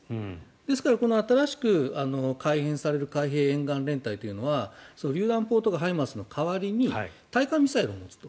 ですから、新しく改編される海兵沿岸連隊というのはりゅう弾砲とかＨＩＭＡＲＳの代わりに対艦ミサイルを持つと。